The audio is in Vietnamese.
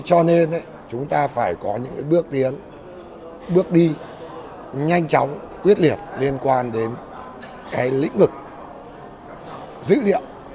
cho nên chúng ta phải có những bước tiến bước đi nhanh chóng quyết liệt liên quan đến cái lĩnh vực dữ liệu